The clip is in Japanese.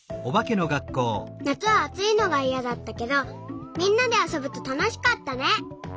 なつはあついのがいやだったけどみんなであそぶとたのしかったね。